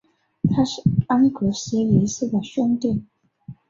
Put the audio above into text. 他是安格斯一世的兄弟。